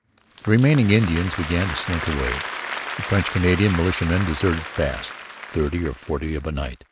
The remaining Indians began to slink away. The French Canadian militiamen deserted fast 'thirty or forty of a night.'